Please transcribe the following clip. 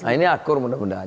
ini akur mudah mudahan